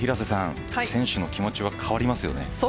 選手の気持ちは変わりますよね。